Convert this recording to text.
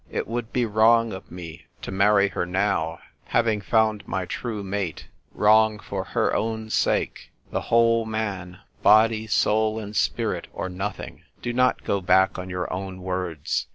It would be wrong of me to marry her now, having found my true mate — wrong for her own sake. * The whole man — body, soul, and spirit — or nothing.' Do not go back on your own words.